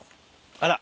あら。